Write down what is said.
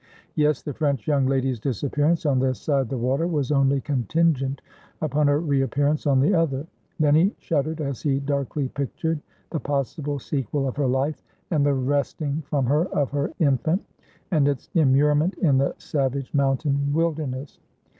Yes; the French young lady's disappearance on this side the water was only contingent upon her reappearance on the other; then he shuddered as he darkly pictured the possible sequel of her life, and the wresting from her of her infant, and its immurement in the savage mountain wilderness.